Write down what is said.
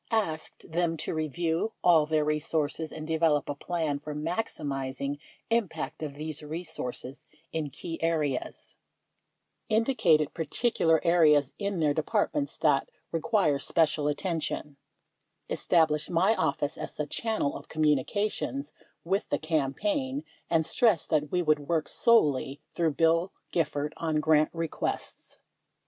379 — Asked them to review all their resources and develop a plan for maximizing impact of these resources in key areas — Indicated particular areas in their Departments that re quire special attention —Established my office as the channel of communications with the campaign and stressed that we would work solely through Bill Gifford on grant requests.